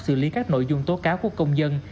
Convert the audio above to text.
xử lý các nội dung tố cáo của công dân